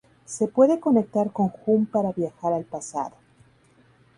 Se puede conectar con Jun para viajar al pasado.